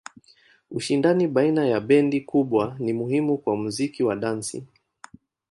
Ushindani baina ya bendi kubwa ni muhimu kwa muziki wa dansi.